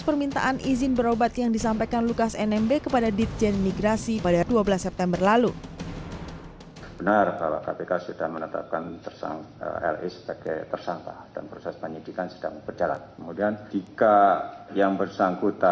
permintaan izin berobat yang disampaikan lukas nmb kepada ditjen imigrasi pada dua belas september lalu